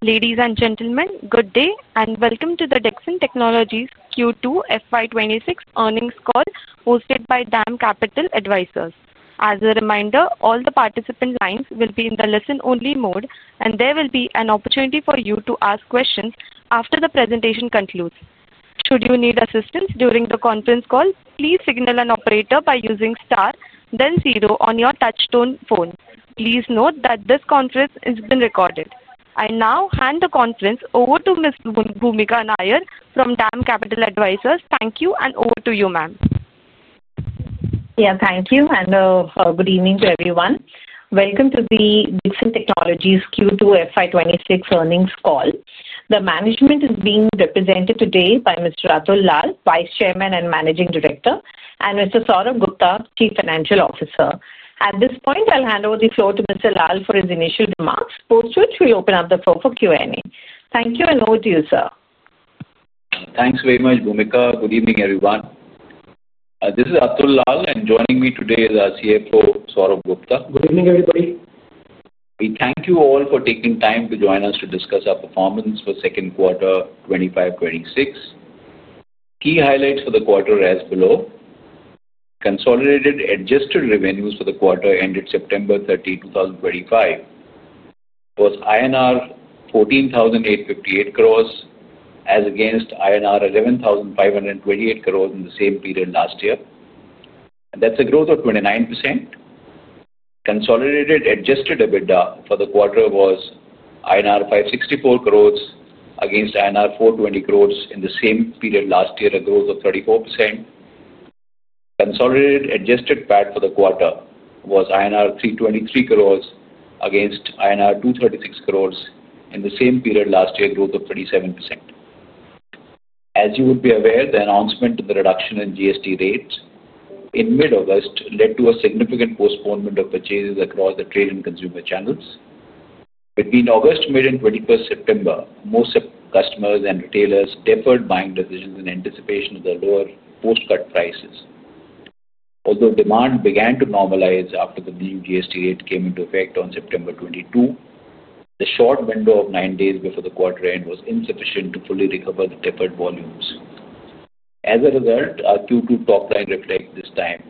Ladies and gentlemen, good day and welcome to the Dixon Technologies Q2 FY 2026 earnings call hosted by DAM Capital Advisors. As a reminder, all the participant lines will be in the listen-only mode, and there will be an opportunity for you to ask questions after the presentation concludes. Should you need assistance during the conference call, please signal an operator by using star, then zero on your touch-tone phone. Please note that this conference has been recorded. I now hand the conference over to Ms. Bhoomika Nair from DAM Capital Advisors. Thank you and over to you, ma'am. Yeah, thank you and good evening to everyone. Welcome to the Dixon Technologies Q2 FY 2026 earnings call. The management is being represented today by Mr. Atul Lall, Vice Chairman and Managing Director, and Mr. Saurabh Gupta, Chief Financial Officer. At this point, I'll hand over the floor to Mr. Lall for his initial remarks, post which we'll open up the floor for Q&A. Thank you and over to you, sir. Thanks very much, Bhoomika. Good evening, everyone. This is Atul Lall, and joining me today is our CFO, Saurabh Gupta. Good evening, everybody. We thank you all for taking time to join us to discuss our performance for second quarter 2025-2026. Key highlights for the quarter are as below. Consolidated adjusted revenues for the quarter ended September 30, 2025, were INR 14,858 crore as against INR 11,528 crore in the same period last year, a growth of 29%. Consolidated adjusted EBITDA for the quarter was INR 564 crore against INR 420 crore in the same period last year, a growth of 34%. Consolidated adjusted PAT for the quarter was INR 323 crore against INR 236 crore in the same period last year, a growth of 37%. As you would be aware, the announcement of the reduction in GST rates in mid-August led to a significant postponement of purchases across the trade and consumer channels. Between August, May, and 21st September, most customers and retailers deferred buying decisions in anticipation of the lower post-cut prices. Although demand began to normalize after the new GST rate came into effect on September 22, the short window of nine days before the quarter end was insufficient to fully recover the deferred volumes. As a result, our Q2 top line reflects this time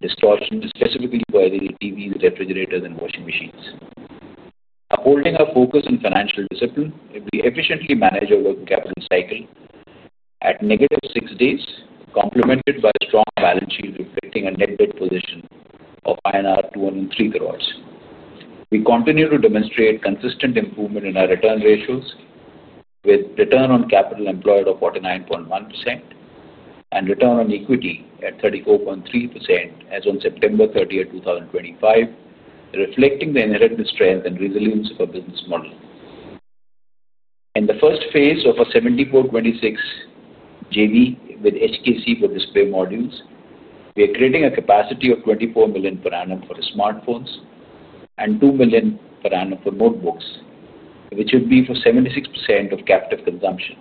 distortion specifically for LED TVs, refrigerators, and washing machines. Upholding our focus on financial discipline, we efficiently managed our working capital cycle at negative six days, complemented by a strong balance sheet reflecting a net debt position of INR 203 crore. We continue to demonstrate consistent improvement in our return ratios with return on capital employed of 49.1% and return on equity at 34.3% as on September 30, 2025, reflecting the inherent strength and resilience of our business model. In the first phase of our 74:26 JV with HKC for display modules, we are creating a capacity of 24 million per annum for smartphones and 2 million per annum for notebooks, which would be for 76% of captive consumption.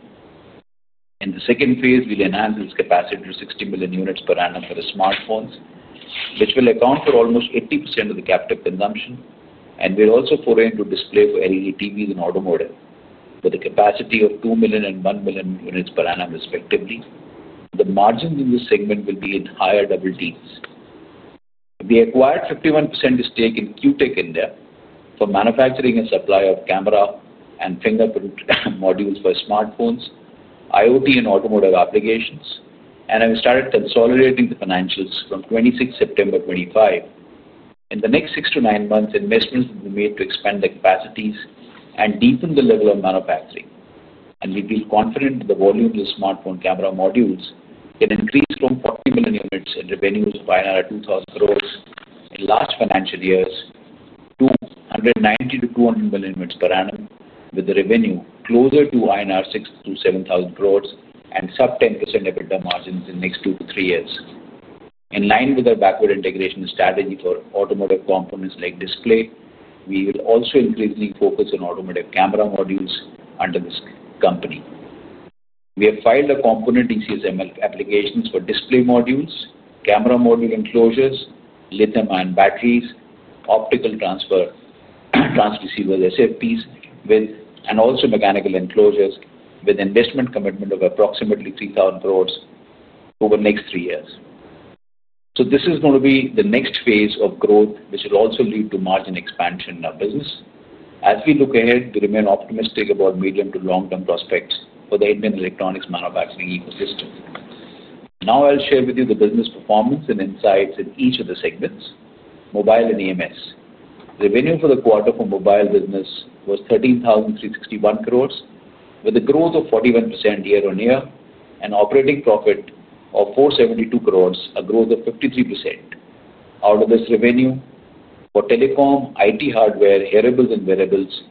In the second phase, we will enhance this capacity to 60 million units per annum for smartphones, which will account for almost 80% of the captive consumption, and we are also foraying into display for LED TVs and automotive with a capacity of 2 million and 1 million units per annum, respectively. The margins in this segment will be in higher double digits. We acquired 51% stake in Q-Tech India for manufacturing and supply of camera and fingerprint modules for smartphones, IoT, and automotive applications, and have started consolidating the financials from 26 September, 2025. In the next six to nine months, investments will be made to expand the capacities and deepen the level of manufacturing. We feel confident that the volume of the smartphone camera modules can increase from 40 million units and revenues of 2,000 crore in large financial years to 190 million - 200 million units per annum with the revenue closer to INR 6,000 crore - 7,000 crore and sub 10% EBITDA margins in the next two to three years. In line with our backward integration strategy for automotive components like display, we will also increasingly focus on automotive camera modules under this company. We have filed a component ECMS application for display modules, camera module enclosures, lithium-ion batteries, optical transfer, transducers, SFPs, and also mechanical enclosures with an investment commitment of approximately 3,000 crore over the next three years. This is going to be the next phase of growth, which will also lead to margin expansion in our business. As we look ahead, we remain optimistic about medium to long-term prospects for the Indian electronics manufacturing ecosystem. Now I'll share with you the business performance and insights in each of the segments. Mobile and EMS. Revenue for the quarter for mobile business was 13,361 crore, with a growth of 41% year on year, and operating profit of 472 crore, a growth of 53%. Out of this, revenue for telecom, IT hardware, hearables, and wearables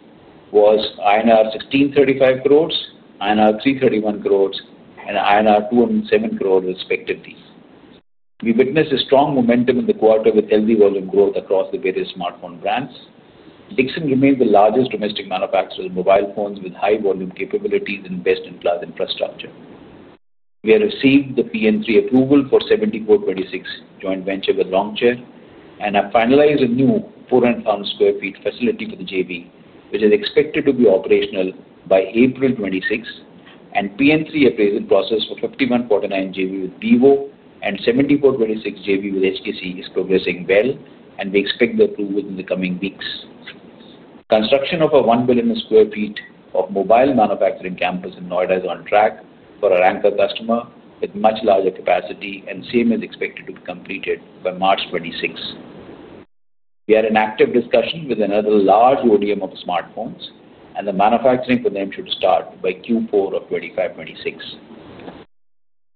was INR 1,635 crore, INR 331 crore, and INR 207 crore, respectively. We witnessed a strong momentum in the quarter with healthy volume growth across the various smartphone brands. Dixon remains the largest domestic manufacturer of mobile phones with high volume capabilities and best-in-class infrastructure. We have received the PN3 approval for 74:26 joint venture with Longcheer and have finalized a new 4.5 lakh sq ft facility for the JV, which is expected to be operational by April 2026. The PN3 appraisal process for 51:49 JV with Vivo and 74:26 JV with HKC is progressing well, and we expect the approval in the coming weeks. Construction of a 1 million sq ft mobile manufacturing campus in Noida is on track for our anchor customer with much larger capacity, and the same is expected to be completed by March 2026. We are in active discussion with another large ODM of smartphones, and the manufacturing for them should start by Q4 of 2025-2026.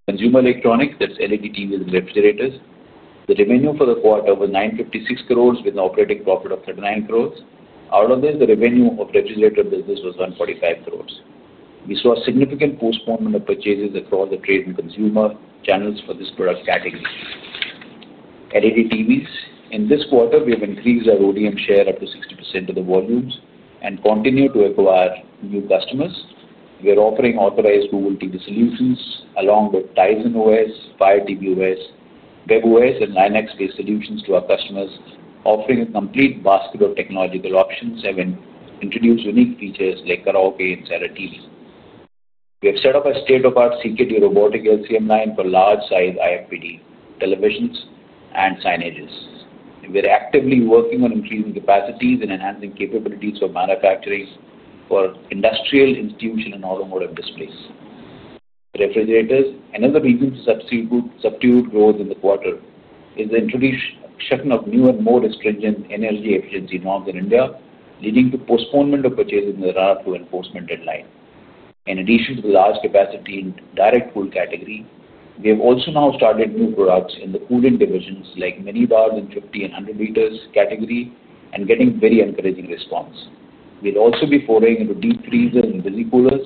Consumer electronics, that's LED TVs and refrigerators, the revenue for the quarter was 956 crores with an operating profit of 39 crores. Out of this, the revenue of refrigerator business was 145 crores. We saw a significant postponement of purchases across the trade and consumer channels for this product category. LED TVs, in this quarter, we have increased our ODM share up to 60% of the volumes and continue to acquire new customers. We are offering authorized Google TV solutions along with Tizen OS, Fire TV OS, webOS, and Linux-based solutions to our customers, offering a complete basket of technological options and introduce unique features like karaoke and Sara TV. We have set up a state-of-the-art CKD robotic LCM line for large-size IFB televisions and signages. We're actively working on increasing capacities and enhancing capabilities for manufacturing for industrial, institutional, and automotive displays. Refrigerators, another reason to substitute growth in the quarter, is the introduction of new and more stringent energy efficiency norms in India, leading to postponement of purchases in the run-up to enforcement deadline. In addition to the large capacity in the direct cool category, we have also now started new products in the cooling divisions like minibars in 50 liters and 100 liters category and getting very encouraging response. We'll also be foraying into deep freezers and visi coolers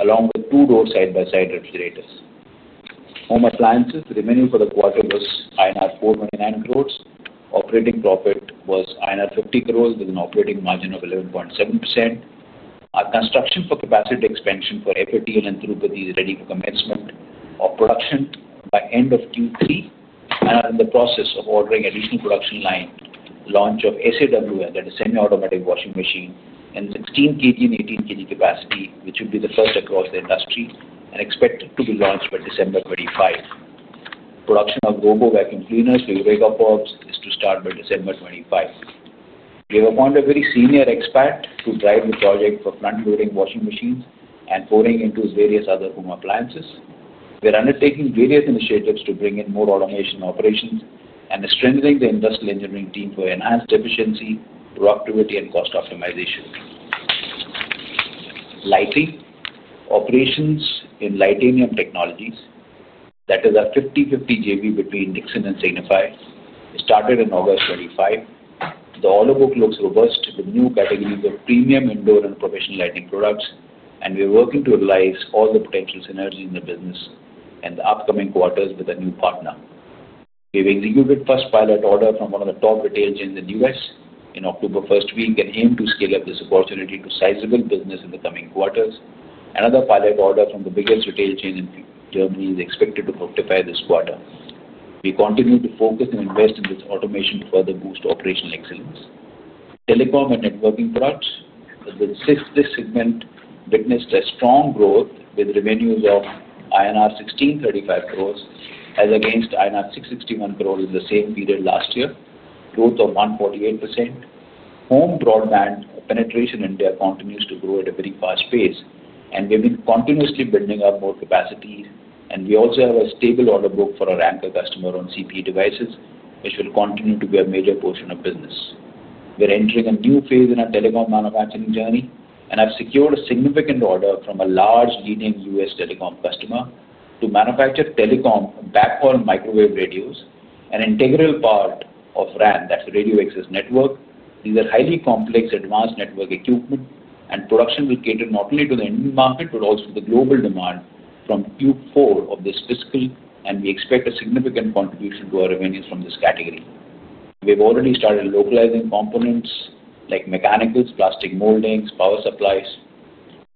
along with two-door side-by-side refrigerators. Home appliances, the revenue for the quarter was INR 429 crores. Operating profit was INR 50 crores with an operating margin of 11.7%. Our construction for capacity expansion for FAT and enthalpy is ready for commencement of production by end of Q3 and are in the process of ordering additional production line. Launch of SAW, that is semi-automatic washing machine in 16 kg and 18 kg capacity, which would be the first across the industry and expected to be launched by December 2025. Production of robot vacuum cleaners for Eureka Forbes is to start by December 2025. We have found a very senior expert to drive the project for front-loading washing machines and foraying into various other home appliances. We're undertaking various initiatives to bring in more automation operations and strengthening the industrial engineering team for enhanced efficiency, productivity, and cost optimization. Lighting, operations in Titanium Technologies, that is a 50:50 JV between Dixon and Signify, started in August 2025. The order book looks robust with new categories of premium indoor and professional lighting products, and we're working to realize all the potential synergy in the business in the upcoming quarters with a new partner. We've executed the first pilot order from one of the top retail chains in the U.S. in October first week and aim to scale up this opportunity to sizable business in the coming quarters. Another pilot order from the biggest retail chain in Germany is expected to fructify this quarter. We continue to focus and invest in this automation to further boost operational excellence. Telecom and networking products with this segment witnessed a strong growth with revenues of INR 1,635 crores as against INR 661 crores in the same period last year, growth of 148%. Home broadband penetration in India continues to grow at a very fast pace, and we've been continuously building up more capacity. We also have a stable order book for our anchor customer on CP devices, which will continue to be a major portion of business. We're entering a new phase in our telecom manufacturing journey and have secured a significant order from a large leading U.S. telecom customer to manufacture telecom backhaul microwave radios, an integral part of RAN, that's a radio access network. These are highly complex, advanced network equipment, and production will cater not only to the Indian market but also the global demand from Q4 of this fiscal, and we expect a significant contribution to our revenues from this category. We've already started localizing components like mechanicals, plastic moldings, power supplies.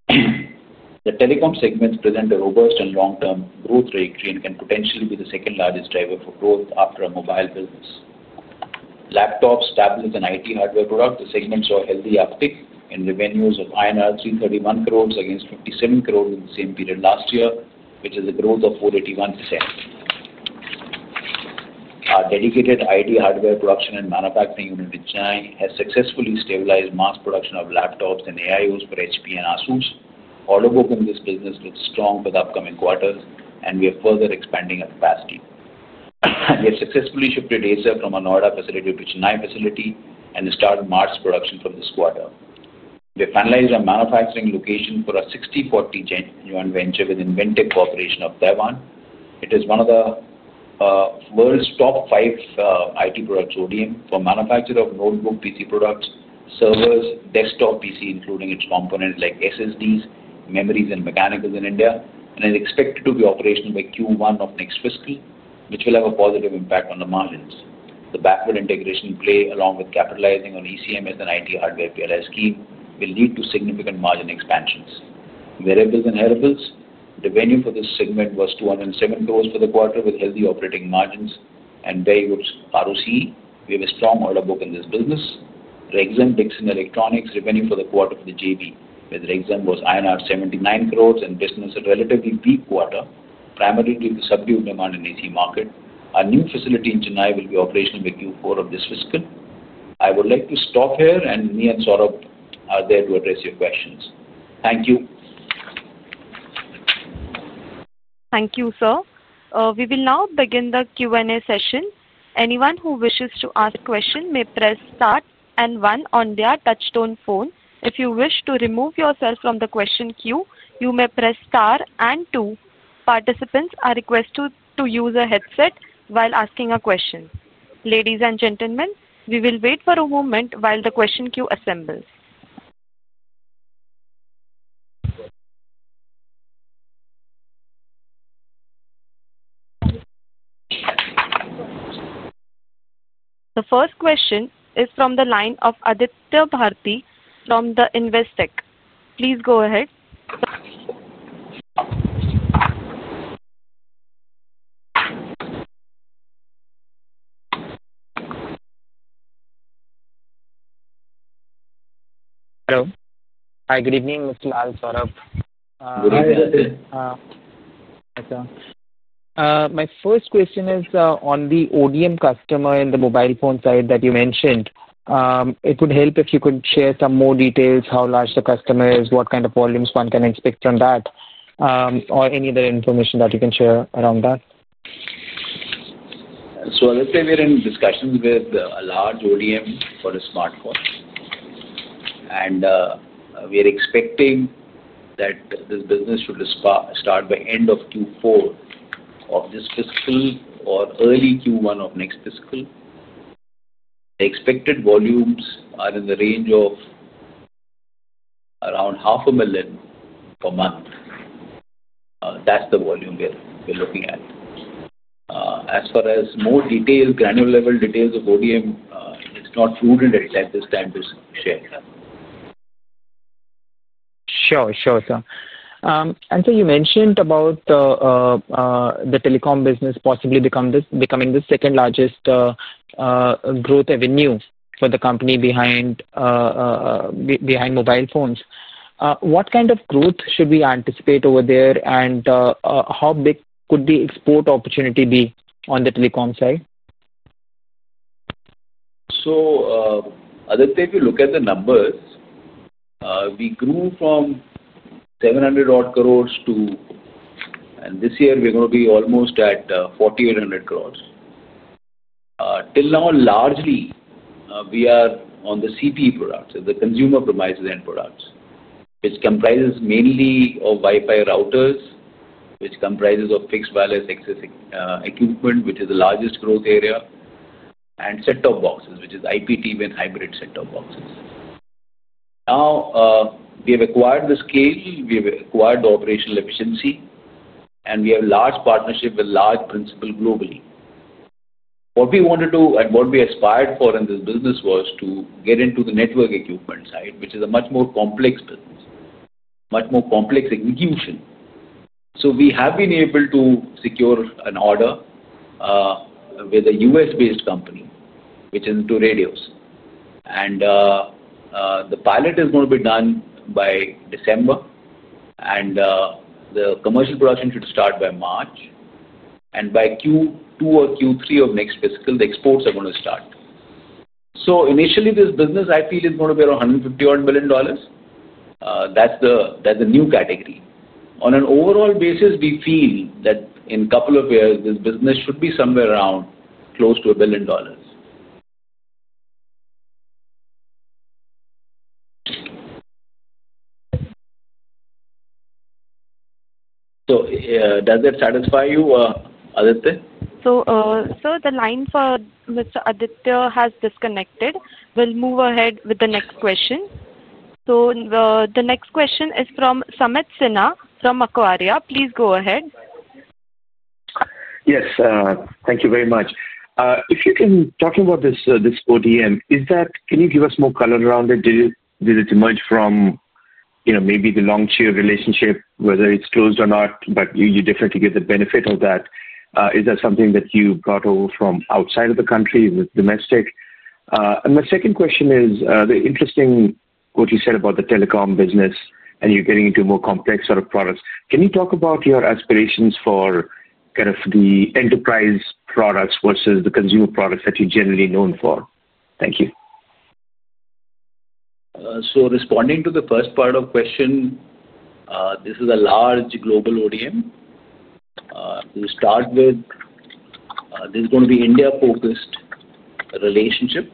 The telecom segments present a robust and long-term growth trajectory and can potentially be the second largest driver for growth after a mobile business. Laptops, tablets, and IT hardware products, the segment saw healthy uptick in revenues of INR 331 crores against 57 crores in the same period last year, which is a growth of 481%. Our dedicated IT hardware production and manufacturing unit in Chennai has successfully stabilized mass production of laptops and AIOs for HP and ASUS. Order book in this business looks strong for the upcoming quarters, and we are further expanding our capacity. We have successfully shipped data from a Noida facility to a Chennai facility and started mass production from this quarter. We finalized our manufacturing location for a 60/40 joint venture with Inventec Corporation of Taiwan. It is one of the world's top five IT products ODM for manufacturing of notebook PC products, servers, desktop PC, including its components like SSDs, memories, and mechanicals in India, and is expected to be operational by Q1 of next fiscal, which will have a positive impact on the margins. The backward integration play, along with capitalizing on ECMS and IT hardware PLS scheme, will lead to significant margin expansions. Wearables and hearables, revenue for this segment was 207 crore for the quarter with healthy operating margins and very good ROCE. We have a strong order book in this business. Rexxam Dixon Electronics, revenue for the quarter for the JV with Rexxam was INR 79 crore and business at a relatively peak quarter, primarily due to subdued demand in the AC market. A new facility in Chennai will be operational by Q4 of this fiscal. I would like to stop here, and me and Saurabh are there to address your questions. Thank you. Thank you, sir. We will now begin the Q&A session. Anyone who wishes to ask a question may press star and one on their touch-tone phone. If you wish to remove yourself from the question queue, you may press star and two. Participants are requested to use a headset while asking a question. Ladies and gentlemen, we will wait for a moment while the question queue assembles. The first question is from the line of Aditya Bhartia from Investec. Please go ahead. Hello. Hi, good evening, Mr. Lall, Saurabh. Good evening. My first question is on the ODM customer in the mobile phone side that you mentioned. It would help if you could share some more details, how large the customer is, what kind of volumes one can expect from that, or any other information that you can share around that. We're in discussions with a large ODM for a smartphone, and we're expecting that this business should start by the end of Q4 of this fiscal or early Q1 of next fiscal. The expected volumes are in the range of around half a million per month. That's the volume we're looking at. As far as more granular level details of ODM, it's not prudent at this time to share. Sure. You mentioned about the telecom business possibly becoming the second largest growth avenue for the company behind mobile phones. What kind of growth should we anticipate over there, and how big could the export opportunity be on the telecom side? If you look at the numbers, we grew from 700 crore to, and this year we're going to be almost at 4,800 crore. Till now, largely, we are on the CP products and the consumer-provided end products, which comprises mainly Wi-Fi routers, which comprises fixed wireless accessing equipment, which is the largest growth area, and set-top boxes, which is IPTV and hybrid set-top boxes. Now, we have acquired the scale, we have acquired the operational efficiency, and we have a large partnership with large principals globally. What we wanted to and what we aspired for in this business was to get into the network equipment side, which is a much more complex business, much more complex execution. We have been able to secure an order with a U.S.-based company, which is into radios. The pilot is going to be done by December, and the commercial production should start by March. By Q2 or Q3 of next fiscal, the exports are going to start. Initially, this business, I feel, is going to be around $151 million. That's the new category. On an overall basis, we feel that in a couple of years, this business should be somewhere around close to a billion dollars. Does that satisfy you, Aditya? Sir, the line for Mr. Aditya has disconnected. We'll move ahead with the next question. The next question is from Sumit Sinha from Macquarie. Please go ahead. Yes. Thank you very much. If you can talk about this ODM, can you give us more color around it? Did it emerge from, you know, maybe the Longcheer relationship, whether it's closed or not, but you definitely get the benefit of that? Is that something that you brought over from outside of the country? Is it domestic? My second question is the interesting what you said about the telecom business and you're getting into more complex sort of products. Can you talk about your aspirations for kind of the enterprise products versus the consumer products that you're generally known for? Thank you. Responding to the first part of the question, this is a large global ODM. To start with, this is going to be an India-focused relationship.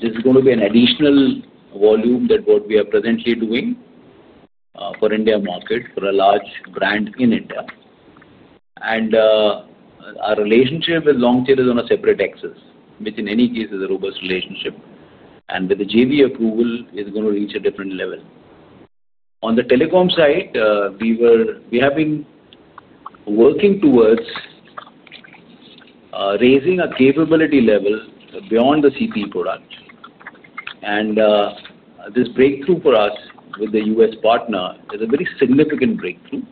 This is going to be an additional volume than what we are presently doing for the India market for a large brand in India. Our relationship with Longcheer is on a separate axis, which in any case is a robust relationship. With the JV approval, it's going to reach a different level. On the telecom side, we have been working towards raising our capability level beyond the CP product. This breakthrough for us with the U.S. partner is a very significant breakthrough.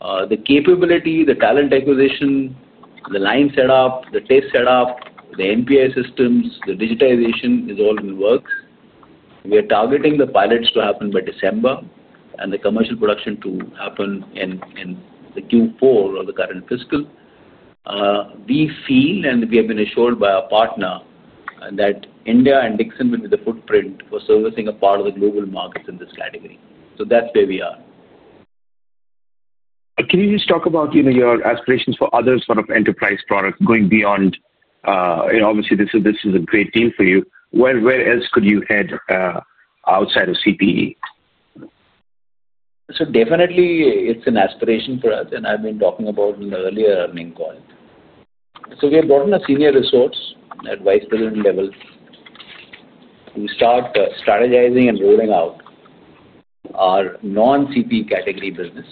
The capability, the talent acquisition, the line setup, the test setup, the NPI systems, the digitization is all in the works. We are targeting the pilots to happen by December and the commercial production to happen in Q4 of the current fiscal. We feel, and we have been assured by our partner, that India and Dixon will be the footprint for servicing a part of the global markets in this category. That's where we are. Can you just talk about your aspirations for other sort of enterprise products going beyond? Obviously, this is a great deal for you. Where else could you head outside of CPE? It is definitely an aspiration for us, and I've been talking about it in an earlier earning point. We have brought in a senior resource at Vice President level to start strategizing and rolling out our non-CP category business.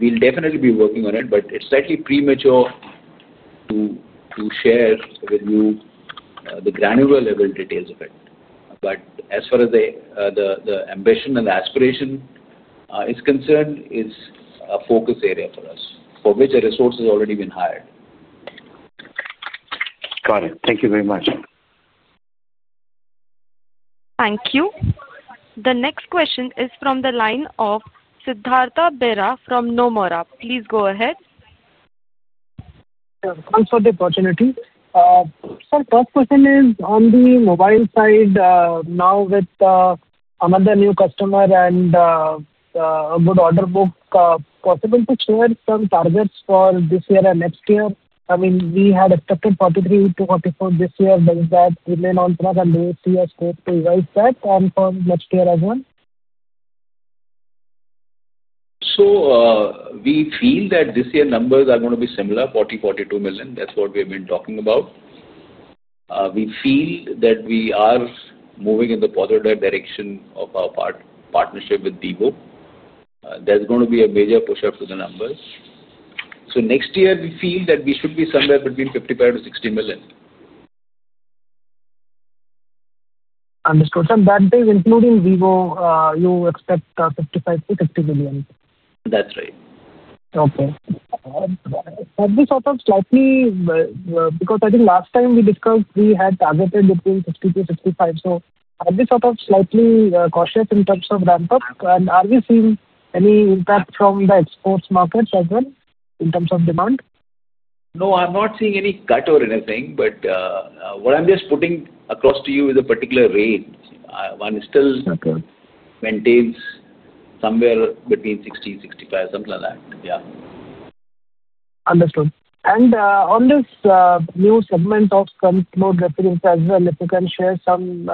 We'll definitely be working on it, but it's slightly premature to share with you the granular level details of it. As far as the ambition and aspiration is concerned, it's a focus area for us for which a resource has already been hired. Got it. Thank you very much. Thank you. The next question is from the line of Siddhartha Bera from Nomura. Please go ahead. Thanks for the opportunity. Sir, the first question is on the mobile side. Now, with another new customer and a good order book, possibly to share some targets for this year and next year. I mean, we had expected 43 - 44 this year. Does that remain on track and do we see a scope to revise that and for next year as well? We feel that this year numbers are going to be similar, 40 million, 42 million. That's what we have been talking about. We feel that we are moving in the positive direction of our partnership with Vivo. There's going to be a major push-up to the numbers. Next year, we feel that we should be somewhere between 55 million - 60 million. Understood. That is including Vivo, you expect 55 million - 60 million? That's right. Okay. Have we thought of slightly, because I think last time we discussed, we had targeted between 60 - 65. Have we thought of slightly cautious in terms of ramp-up? Are we seeing any impact from the exports markets as well in terms of demand? No, I'm not seeing any cut or anything. What I'm just putting across to you is a particular range. One still maintains somewhere between 60, 65, something like that. Yeah. Understood. On this new segment of front-load refrigerants as well, if you can share some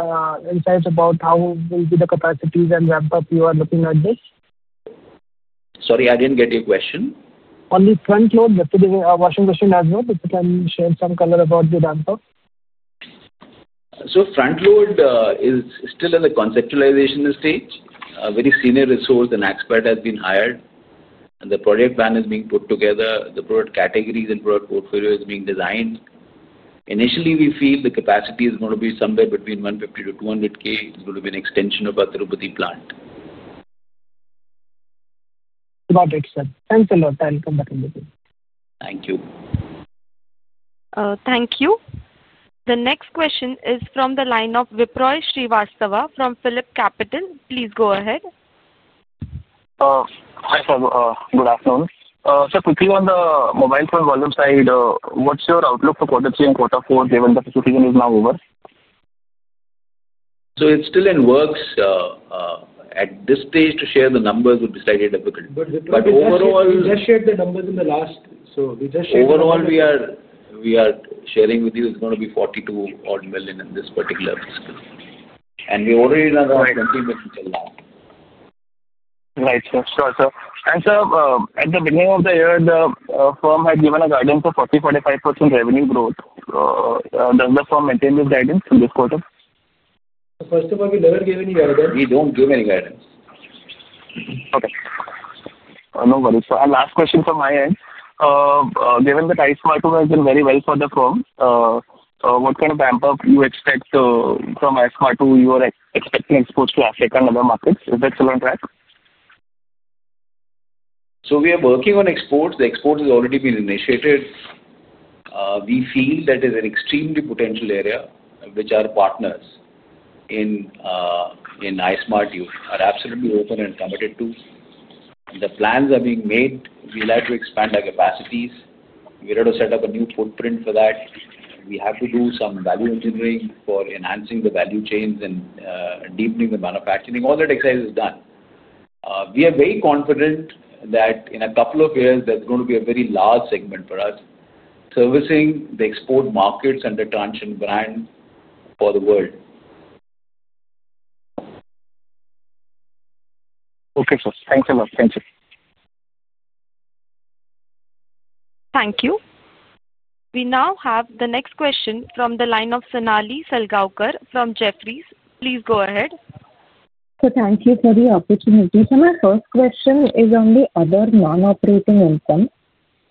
insights about how will be the capacities and ramp-up you are looking at this? Sorry, I didn't get your question. On the front-load refrigerator washing machine as well, if you can share some color about the ramp-up. Front-load is still in the conceptualization stage. A very senior resource and expert has been hired, and the project plan is being put together. The product categories and product portfolio is being designed. Initially, we feel the capacity is going to be somewhere between 150,000 - 200,000. It's going to be an extension of the Pathirupati plant. Got it, sir. Thanks a lot. I'll come back and look at it. Thank you. Thank you. The next question is from the line of Vipraw Srivastava from PhilipCapital. Please go ahead. Hi, sir. Good afternoon. Sir, quickly on the mobile phone volume side, what's your outlook for quarter three and quarter four given the facility is now over? It is still in works. At this stage, to share the numbers would be slightly difficult overall. We just shared the numbers in the last, we just shared the numbers. Overall, we are sharing with you it's going to be 42 million in this particular fiscal. We're already in around 20 million till now. Right, sir. Sure, sure. At the beginning of the year, the firm had given a guidance of 40%-45% revenue growth. Does the firm maintain this guidance in this quarter? First of all, we never gave any guidance. We don't give any guidance. Okay. No worries, sir. Last question from my end. Given that Ice Marble has done very well for the firm, what kind of ramp-up do you expect from Ice Marble? You are expecting exports to Africa and other markets. Is that still on track? We are working on exports. The exports have already been initiated. We feel that there is an extremely potential area, which our partners in Ice Marble are absolutely open and committed to. The plans are being made. We'll have to expand our capacities. We're going to set up a new footprint for that. We have to do some value engineering for enhancing the value chains and deepening the manufacturing. All that exercise is done. We are very confident that in a couple of years, there's going to be a very large segment for us servicing the export markets and the Transsion brand for the world. Okay, sir. Thanks a lot. Thank you. Thank you. We now have the next question from the line of Sonali Salgaonkar from Jefferies. Please go ahead. Sir, thank you for the opportunity. Sir, my first question is on the other non-operating income.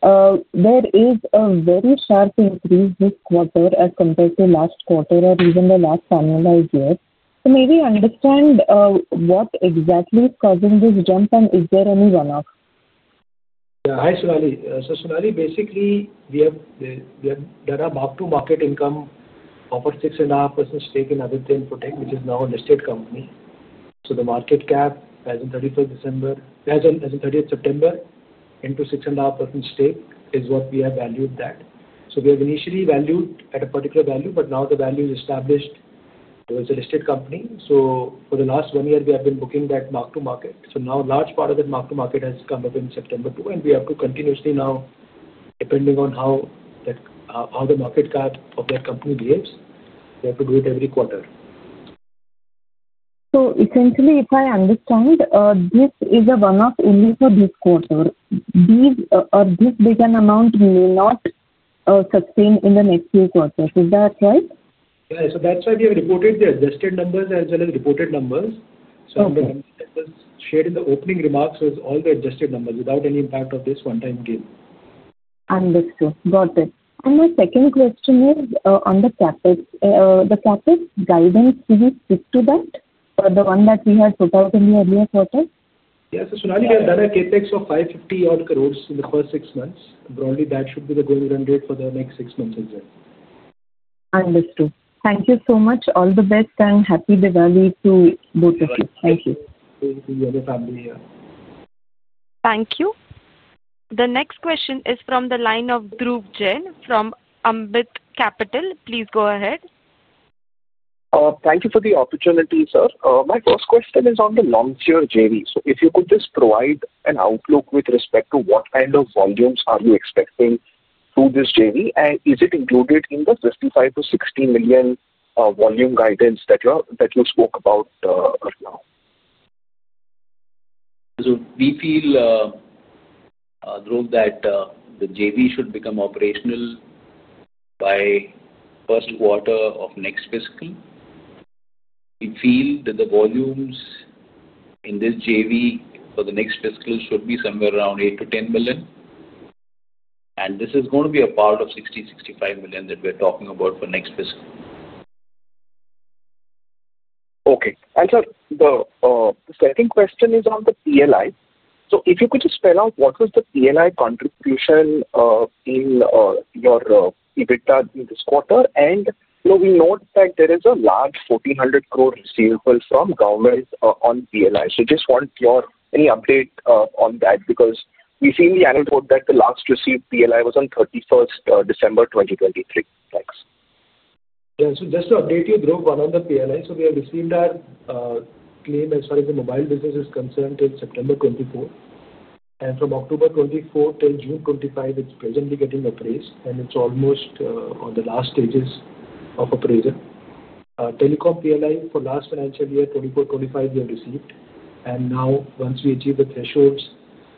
There is a very sharp increase this quarter as compared to last quarter or even the last annualized year. I want to understand what exactly is causing this jump and is there any runoff? Yeah. Hi, Sonali. Sonali, basically, we have done a mark-to-market income of a 6.5% stake in Aditya Input Tech, which is now a listed company. The market cap as of 31st December, as in 30th September, into 6.5% stake is what we have valued that. We have initially valued at a particular value, but now the value is established. It was a listed company. For the last one year, we have been booking that mark-to-market. Now a large part of that mark-to-market has come up in September 2, and we have to continuously now, depending on how the market cap of that company behaves, do it every quarter. Essentially, if I understand, this is a runoff only for this quarter. This big an amount may not sustain in the next few quarters. Is that right? That's why we have reported the adjusted numbers as well as reported numbers. The numbers shared in the opening remarks were all the adjusted numbers without any impact of this one-time gain. Understood. Got it. My second question is on the CapEx. The CapEx guidance, do you stick to that, the one that we had put out in the earlier quarter? Yeah. Sonali, we have done a CapEx of 550 crore in the first six months. Broadly, that should be the growing trend rate for the next six months as well. Understood. Thank you so much. All the best and happy Diwali to both of you. Thank you. Same to you and your family. Thank you. The next question is from the line of Dhruv Jain from Ambit Capital. Please go ahead. Thank you for the opportunity, sir. My first question is on the Longcheer JV. If you could just provide an outlook with respect to what kind of volumes are you expecting through this JV, and is it included in the 55 million - 60 million volume guidance that you spoke about earlier? We feel, Dhruv, that the JV should become operational by the first quarter of next fiscal. We feel that the volumes in this JV for the next fiscal should be somewhere around 8 million - 10 million. This is going to be a part of 60 million - 65 million that we're talking about for next fiscal. Okay. Sir, the second question is on the PLI. If you could just spell out what was the PLI contribution in your EBITDA in this quarter. We note that there is a large 1,400 crore receivable from government on PLI. I just want your update on that because we've seen the annual report that the last received PLI was on 31st December 2023. Thanks. Yeah. Just to update you, Dhruv, one of the PLIs, we have received our claim as far as the mobile business is concerned till September 2024. From October 2024 till June 2025, it's presently getting appraised, and it's almost in the last stages of appraisal. Telecom PLI for last financial year 2024-2025 we have received. Once we achieve the thresholds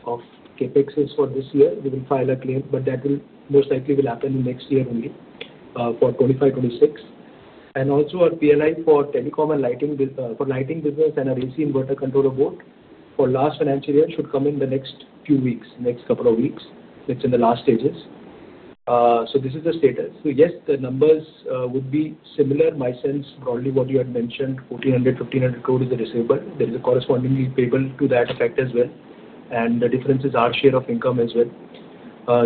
of CapEx for this year, we will file a claim, but that will most likely happen next year only for 2025-2026. Also, our PLI for telecom and lighting business and our AC inverter controller board for last financial year should come in the next few weeks, next couple of weeks. It's in the last stages. This is the status. Yes, the numbers would be similar. My sense, broadly, what you had mentioned, 1,400, 1,500 crores is a receivable. There is a corresponding repayable to that effect as well, and the difference is our share of income as well.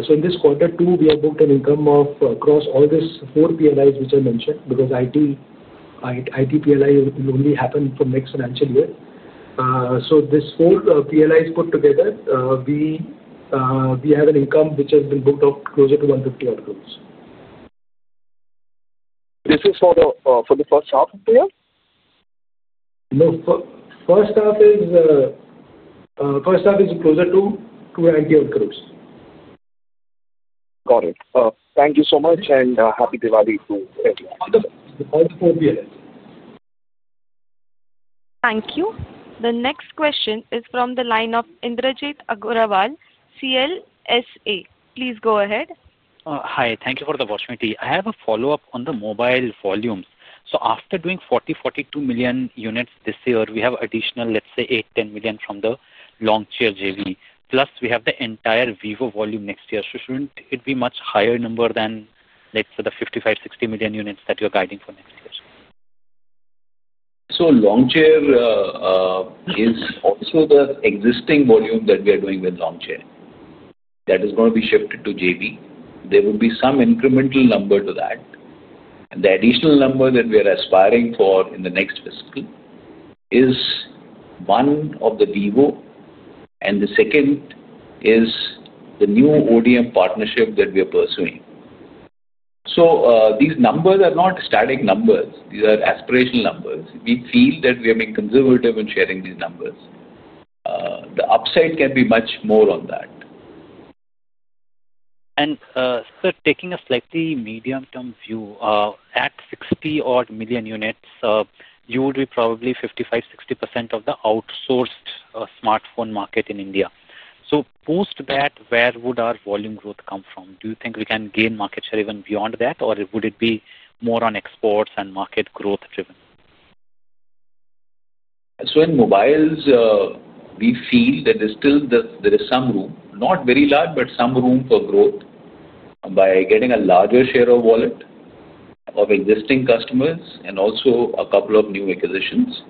In this quarter two, we have booked an income across all these four PLIs which I mentioned because IT PLI will only happen for next financial year. These four PLIs put together, we have an income which has been booked up closer to 150-odd crores. This is for the first half of the year? No. First half is closer to INR 90 crore. Got it. Thank you so much, and happy Diwali to everyone. All the four PLIs. Thank you. The next question is from the line of Indrajit Agarwal, CLSA. Please go ahead. Hi. Thank you for the opportunity. I have a follow-up on the mobile volumes. After doing 40 million - 42 million units this year, we have additional, let's say, 8 million - 10 million from the Longcheer JV. Plus, we have the entire Vivo volume next year. Shouldn't it be a much higher number than, let's say, the 55 million, 60 million units that you're guiding for next year? Longcheer is also the existing volume that we are doing with Longcheer. That is going to be shifted to the JV. There will be some incremental number to that. The additional number that we are aspiring for in the next fiscal is one of the Bevo, and the second is the new ODM partnership that we are pursuing. These numbers are not static numbers. These are aspirational numbers. We feel that we are being conservative in sharing these numbers. The upside can be much more on that. Taking a slightly medium-term view, at 60-odd million units, you would be probably 55%, 60% of the outsourced smartphone market in India. Post that, where would our volume growth come from? Do you think we can gain market share even beyond that, or would it be more on exports and market growth-driven? In mobiles, we feel that there is still some room, not very large, but some room for growth by getting a larger share of wallet of existing customers and also a couple of new acquisitions.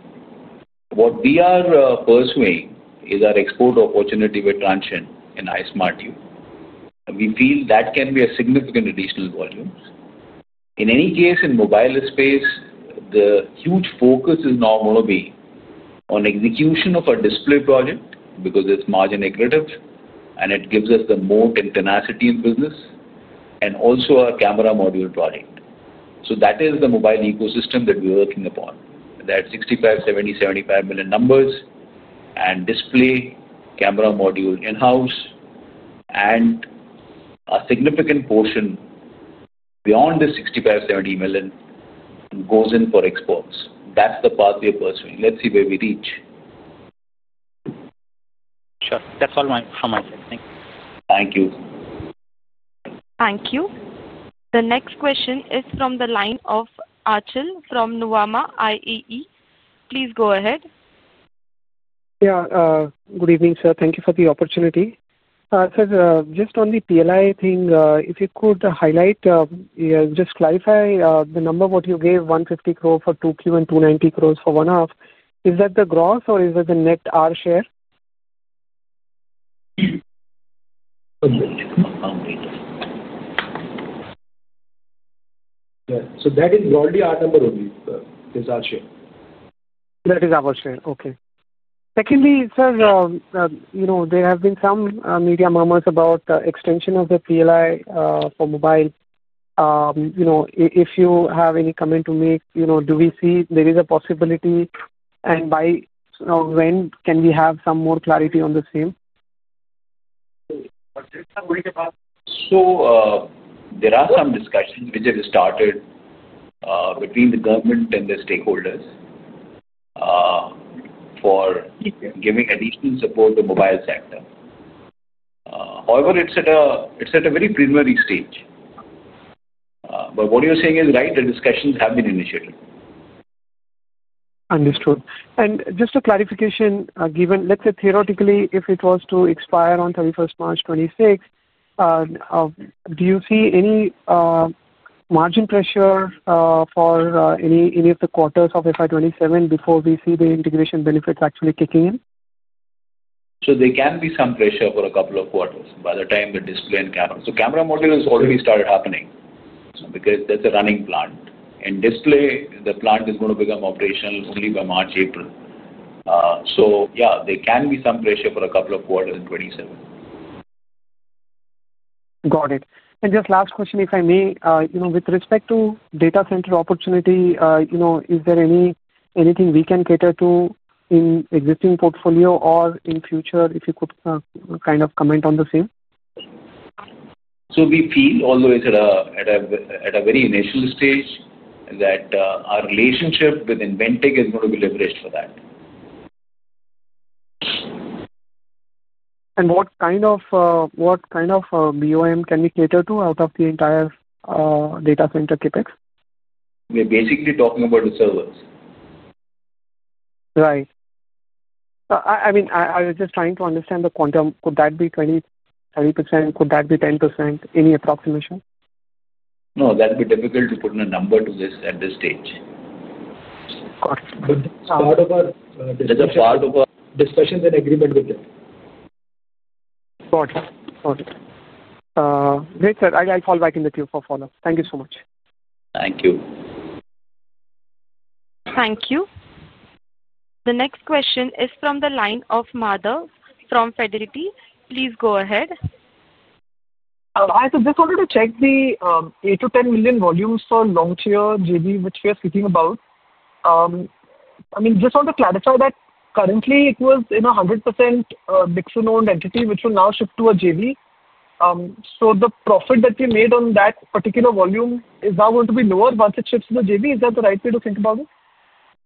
What we are pursuing is our export opportunity with Transsion and iSmartu. We feel that can be a significant additional volume. In any case, in mobile space, the huge focus is now going to be on execution of our display project because it's margin-aggressive, and it gives us the moat and tenacity in business, and also our camera module project. That is the mobile ecosystem that we're working upon. That's 65, 70, 75 million numbers, and display, camera module in-house, and a significant portion beyond the 65, 70 million goes in for exports. That's the path we are pursuing. Let's see where we reach. Sure. That's all from my side. Thank you. Thank you. Thank you. The next question is from the line of Aachil from Nuvama IE. Please go ahead. Good evening, sir. Thank you for the opportunity. Sir, just on the PLI thing, if you could highlight, just clarify the number what you gave, 150 crore for 2Q and 290 crore for one-off. Is that the gross or is that the net R share? Yeah, that is broadly our number only, sir, is our share. That is our share. Okay. Secondly, sir, there have been some media murmurs about the extension of the PLI for mobile. If you have any comment to make, do we see there is a possibility and by when can we have some more clarity on the same? There are some discussions which have started between the government and the stakeholders for giving additional support to the mobile sector. However, it's at a very preliminary stage. What you're saying is right. The discussions have been initiated. Understood. Just a clarification, given, let's say theoretically, if it was to expire on 31st March 2026, do you see any margin pressure for any of the quarters of FY 2027 before we see the integration benefits actually kicking in? There can be some pressure for a couple of quarters by the time the display and camera. Camera module has already started happening because that's a running plant, and display, the plant is going to become operational only by March, April. There can be some pressure for a couple of quarters in 2027. Got it. Just last question, if I may, with respect to data center opportunity, is there anything we can cater to in existing portfolio or in future, if you could kind of comment on the same? We feel, although it's at a very initial stage, that our relationship with Inventec is going to be leveraged for that. What kind of BOM can we cater to out of the entire data center CapEx? We're basically talking about the servers. Right. I was just trying to understand the quantum. Could that be 20%? Could that be 10%? Any approximation? No, that would be difficult to put a number to this at this stage. Got it. That is part of our discussions and agreement with them. Got it. Got it. Great, sir. I'll call back in the queue for follow-up. Thank you so much. Thank you. Thank you. The next question is from the line of Madhav from Fidelity. Please go ahead. Hi. Just wanted to check the 8 million - 10 million volumes for Longcheer JV, which we are speaking about. I mean, just want to clarify that currently, it was in a 100% mix-renewal entity, which will now shift to a JV. The profit that we made on that particular volume is now going to be lower once it shifts to the JV. Is that the right way to think about it?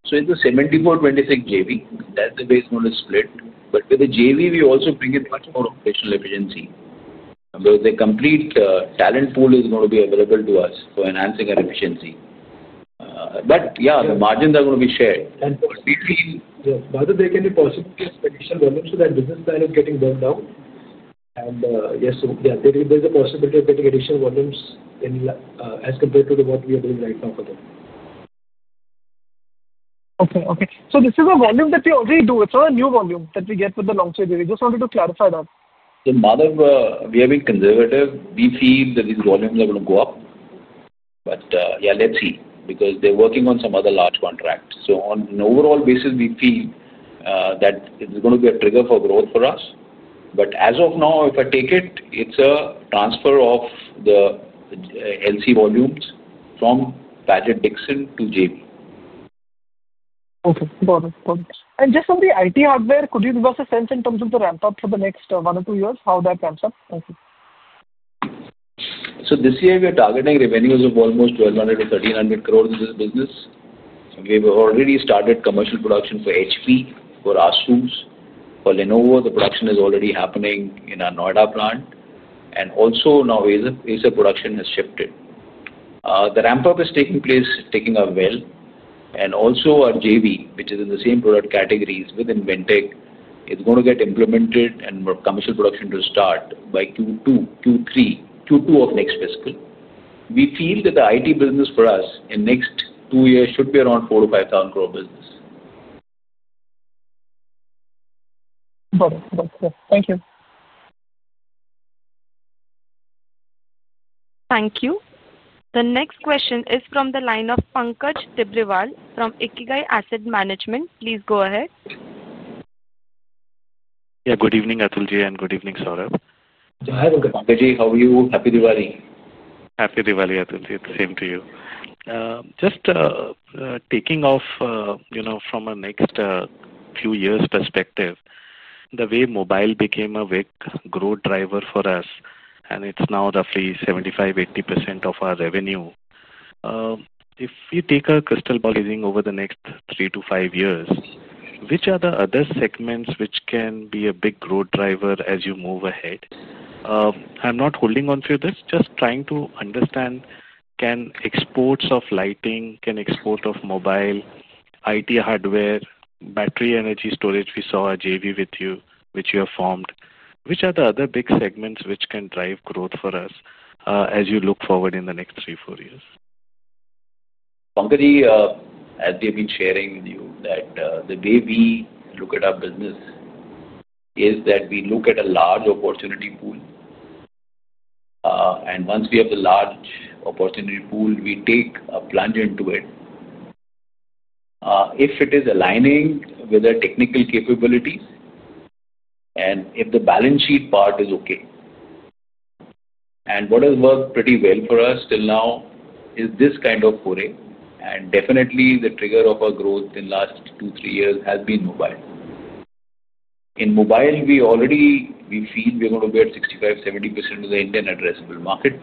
It is a 74:26 JV. That's the way it's going to split. With the JV, we also bring in much more operational efficiency because the complete talent pool is going to be available to us for enhancing our efficiency. Yeah, the margins are going to be shared. We feel, yes, whether there can be possibility of additional volumes so that business plan is getting burned out. Yes, there is a possibility of getting additional volumes as compared to what we are doing right now for them. This is a volume that we already do. It's not a new volume that we get with the Longcheer JV. Just wanted to clarify that. We are being conservative. We feel that these volumes are going to go up. Let's see because they're working on some other large contracts. On an overall basis, we feel that it's going to be a trigger for growth for us. As of now, if I take it, it's a transfer of the LC volumes from Budget Dixon to JV. Okay. Got it. Got it. Just on the IT hardware, could you give us a sense in terms of the ramp-up for the next one or two years, how that ramps up? This year, we are targeting revenues of almost 1,200 to 1,300 crore in this business. We've already started commercial production for HP, for ASUS, for Lenovo. The production is already happening in our Noida plant. Also, now, Acer production has shifted. The ramp-up is taking place as well. Also, our JV, which is in the same product categories with Inventec, is going to get implemented and commercial production is to start by Q2, Q3, Q2 of next fiscal. We feel that the IT business for us in the next two years should be around 4,000 to 5,000 crore business. Got it. Got it. Sure. Thank you. Thank you. The next question is from the line of Pankaj Tibrewal from Ikigai Asset Management. Please go ahead. Yeah. Good evening, Atul Lall, and good evening, Saurabh. Hi, Pankaj. How are you? Happy Diwali. Happy Diwali, Atul. Same to you. Just taking off from a next few years' perspective, the way mobile became a big growth driver for us, and it's now roughly 75%, 80% of our revenue. If you take a crystal ball, I think over the next three to five years, which are the other segments which can be a big growth driver as you move ahead? I'm not holding on to this. Just trying to understand, can exports of lighting, can export of mobile, IT hardware, battery energy storage—we saw a JV with you, which you have formed—which are the other big segments which can drive growth for us as you look forward in the next three, four years? Pankaji, as they've been sharing with you, the way we look at our business is that we look at a large opportunity pool. Once we have the large opportunity pool, we take a plunge into it if it is aligning with our technical capabilities and if the balance sheet part is okay. What has worked pretty well for us till now is this kind of pouring. Definitely, the trigger of our growth in the last two, three years has been mobile. In mobile, we already feel we're going to be at 65% - 70% of the Indian addressable market.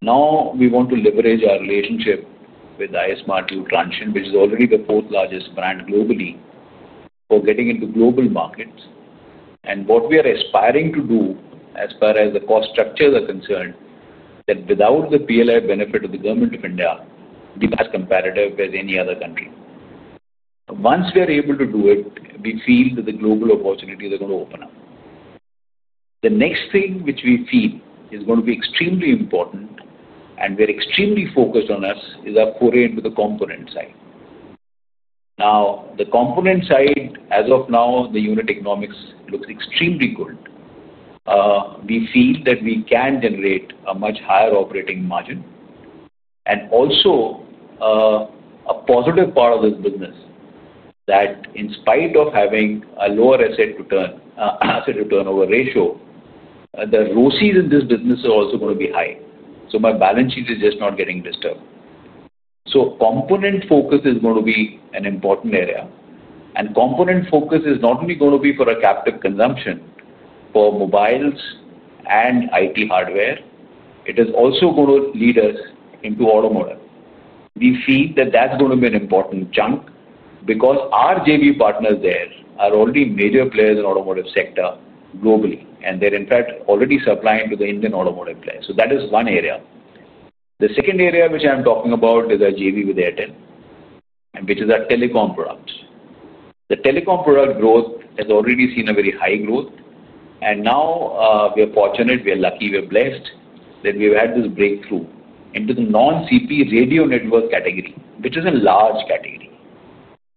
Now, we want to leverage our relationship with Transsion, which is already the fourth largest brand globally, for getting into global markets. What we are aspiring to do, as far as the cost structures are concerned, is that without the PLI benefit of the Government of India, we are as competitive as any other country. Once we are able to do it, we feel that the global opportunities are going to open up. The next thing which we feel is going to be extremely important, and we're extremely focused on, is our foray into the component side. Now, the component side, as of now, the unit economics looks extremely good. We feel that we can generate a much higher operating margin. Also, a positive part of this business is that in spite of having a lower asset to turnover ratio, the ROCs in this business are also going to be high. My balance sheet is just not getting disturbed. Component focus is going to be an important area. Component focus is not only going to be for our captive consumption for mobiles and IT hardware. It is also going to lead us into automotive. We feel that that's going to be an important chunk because our JV partners there are already major players in the automotive sector globally, and they're, in fact, already supplying to the Indian automotive players. That is one area. The second area which I'm talking about is our JV with Airtel, which is our telecom product. The telecom product growth has already seen a very high growth. Now, we are fortunate, we are lucky, we are blessed that we've had this breakthrough into the non-CP radio network category, which is a large category.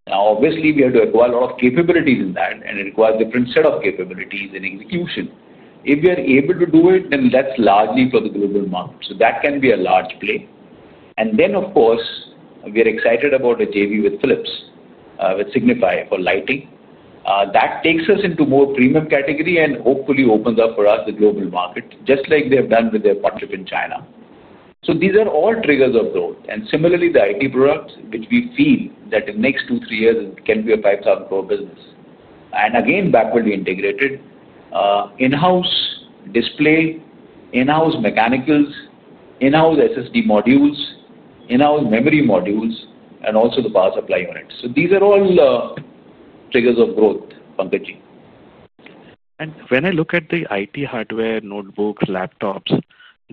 Obviously, we have to acquire a lot of capabilities in that and require a different set of capabilities in execution. If we are able to do it, then that's largely for the global market. That can be a large play. Of course, we are excited about a JV with Signify for lighting. That takes us into a more premium category and hopefully opens up for us the global market, just like they have done with their partnership in China. These are all triggers of growth. Similarly, the IT products, which we feel that in the next two, three years, it can be an 5,000 crore business. Again, that will be integrated in-house display, in-house mechanicals, in-house SSD modules, in-house memory modules, and also the power supply units. These are all triggers of growth, Pankaji. When I look at the IT hardware, notebooks, laptops,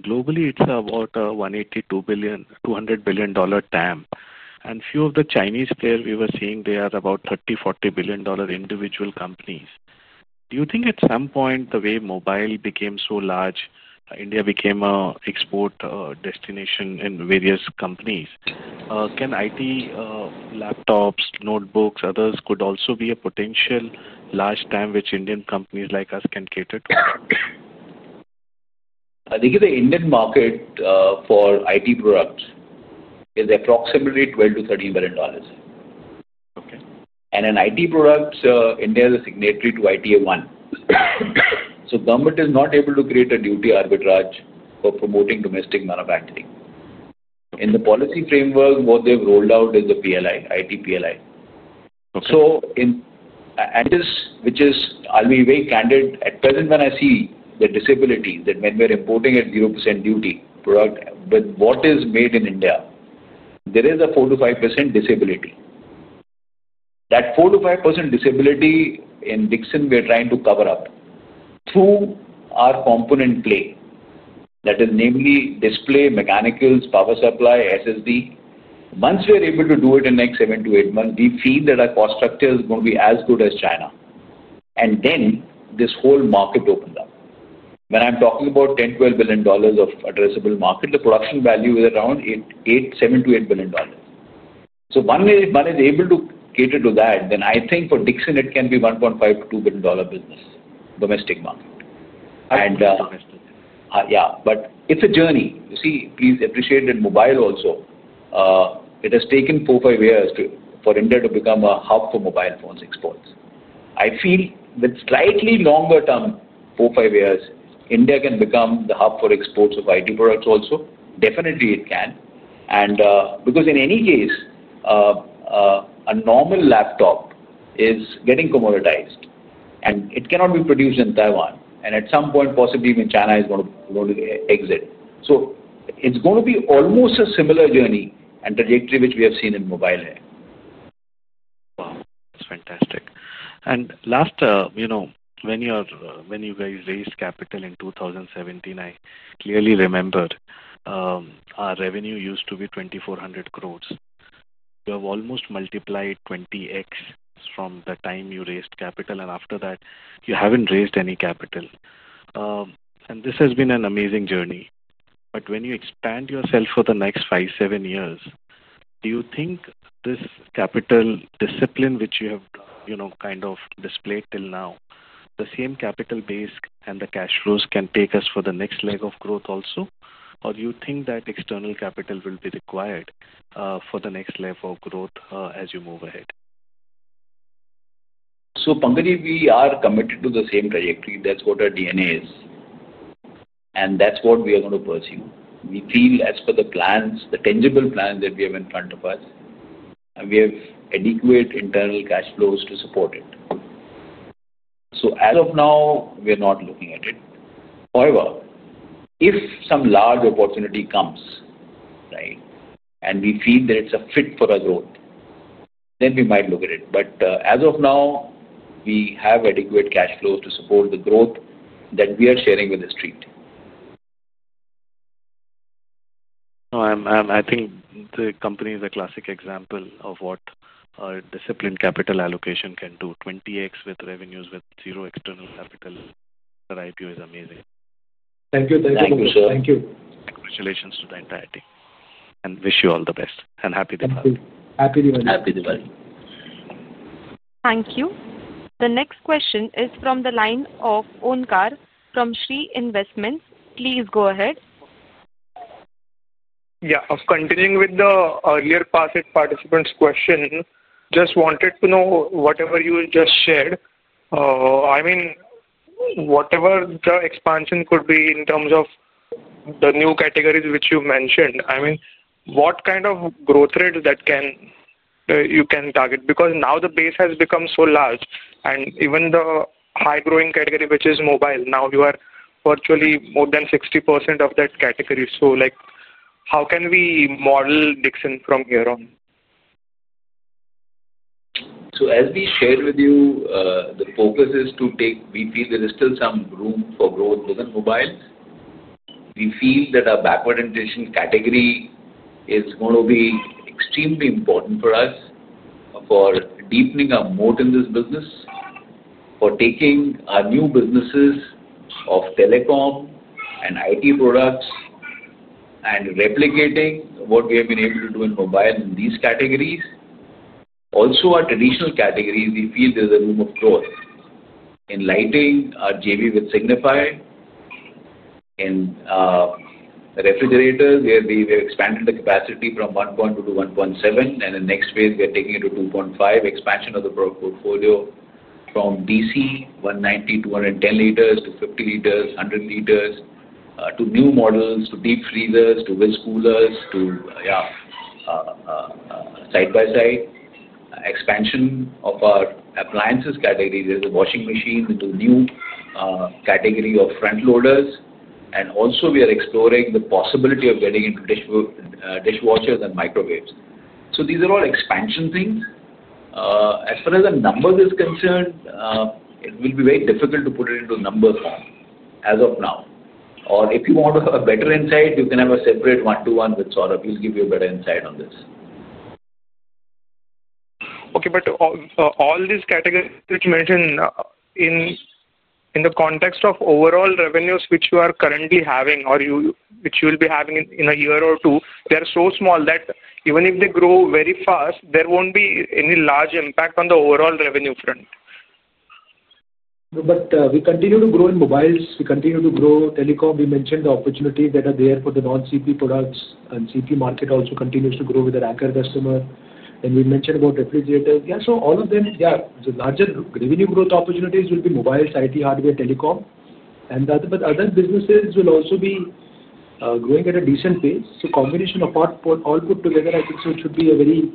globally, it's about a $182 billion, $200 billion TAM. A few of the Chinese players we were seeing, they are about $30 billion, $40 billion individual companies. Do you think at some point the way mobile became so large, India became an export destination in various companies? Can IT laptops, notebooks, others also be a potential large TAM which Indian companies like us can cater to? I think the Indian market for IT products is approximately $12 billion - $13 billion. In IT products, India is a signatory to ITA 1, so the government is not able to create a duty arbitrage for promoting domestic manufacturing. In the policy framework, what they've rolled out is the PLI, IT PLI. I'll be very candid, at present, when I see the disability that when we're importing at 0% duty product, but what is made in India, there is a 4% - 5% disability. That 4% - 5% disability in Dixon, we're trying to cover up through our component play, that is namely display, mechanicals, power supply, SSD. Once we're able to do it in the next seven to eight months, we feel that our cost structure is going to be as good as China, and then this whole market opens up. When I'm talking about $10 billion - $12 billion of addressable market, the production value is around $7 billion - $8 billion. If one is able to cater to that, then I think for Dixon, it can be $1.5 billion - $2 billion business, domestic market. It's a journey. Please appreciate that mobile also, it has taken four to five years for India to become a hub for mobile phones exports. I feel with slightly longer term, four to five years, India can become the hub for exports of IT products also. Definitely, it can. In any case, a normal laptop is getting commoditized, and it cannot be produced in Taiwan. At some point, possibly even China is going to exit. It's going to be almost a similar journey and trajectory which we have seen in mobile here. Wow. That's fantastic. Last, you know, when you guys raised capital in 2017, I clearly remembered our revenue used to be 2,400 crores. You have almost multiplied 20x from the time you raised capital, and after that, you haven't raised any capital. This has been an amazing journey. When you expand yourself for the next five, seven years, do you think this capital discipline which you have kind of displayed till now, the same capital base and the cash flows can take us for the next leg of growth also? Do you think that external capital will be required for the next level of growth as you move ahead? Pankaji, we are committed to the same trajectory. That's what our DNA is, and that's what we are going to pursue. We feel as per the plans, the tangible plans that we have in front of us, and we have adequate internal cash flows to support it. As of now, we're not looking at it. However, if some large opportunity comes, right, and we feel that it's a fit for our growth, then we might look at it. As of now, we have adequate cash flows to support the growth that we are sharing with the street. No, I think the company is a classic example of what disciplined capital allocation can do. 20x with revenues with zero external capital pre-IPO is amazing. Thank you. Thank you so much. Thank you. Congratulations to the entire team. Wish you all the best and happy Diwali. Happy Diwali. Happy Diwali. Thank you. The next question is from the line of Onkar from Shree Investments. Please go ahead. Yeah. Continuing with the earlier participant's question, just wanted to know whatever you just shared. I mean, whatever the expansion could be in terms of the new categories which you mentioned. I mean, what kind of growth rate can you target? Because now the base has become so large. Even the high-growing category, which is mobile, now you are virtually more than 60% of that category. Like how can we model Dixon from here on? As we shared with you, the focus is to take, we feel there is still some room for growth within mobile. We feel that our backward integration category is going to be extremely important for us, for deepening our moat in this business, for taking our new businesses of telecom and IT products, and replicating what we have been able to do in mobile in these categories. Also, our traditional categories, we feel there's a room of growth. In lighting, our JV with Signify, in refrigerators, we have expanded the capacity from 1.2 to 1.7. In the next phase, we are taking it to 2.5. Expansion of the portfolio from DC, 190, 210 liters to 50 liters, 100 liters, to new models, to deep freezers, to wind coolers, to, yeah, side-by-side. Expansion of our appliances category, there's a washing machine into a new category of front loaders. Also, we are exploring the possibility of getting into dishwashers and microwaves. These are all expansion things. As far as the numbers are concerned, it will be very difficult to put it into a number form as of now. If you want a better insight, you can have a separate one-to-one with Saurabh. He'll give you a better insight on this. All these categories which you mentioned in the context of overall revenues which you are currently having or which you will be having in a year or two are so small that even if they grow very fast, there won't be any large impact on the overall revenue front. We continue to grow in mobiles. We continue to grow telecom. We mentioned the opportunities that are there for the non-CP products. The CP market also continues to grow with the racket customer. We mentioned about refrigerators. The larger revenue growth opportunities will be mobiles, IT hardware, telecom. The other businesses will also be growing at a decent pace. A combination of all put together, I think it should be a very